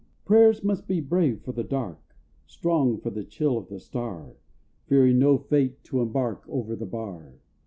Prayers must be brave for the dark, Strong for the chill of the star, Fearing no fate to embark Over the bar.